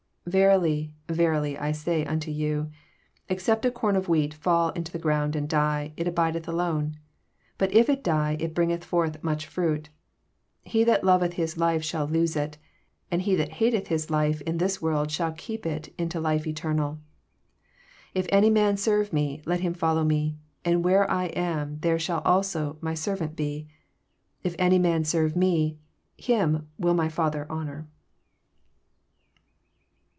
24 Verily, verily, I say onto you, Except a com of wheat fall into the ground and die, it abideth alone: but if it die, it bringeth forth much fruit 25 He that loveth his life shall lose it; and he that hateth his life in this world shall keep it unto life eter nal. 26 If any man serve me,1et him fol low me; and where I am, there shall also my servant be: if any man serve me, him will my Father honour.